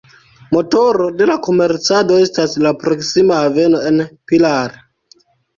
Motoro de la komercado estas la proksima haveno en Pilar.